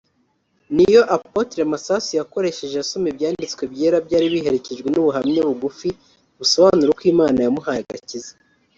niyo Apotre Masasu yakoresheje asoma ibyanditswe byera byari biherekejwe n’ubuhamya bugufi busobanura uko Imana yamuhaye agakiza